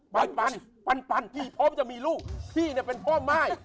ปันปันพี่พร้อมจะมีลูกพี่เนี่ยเป็นพ่อม่าย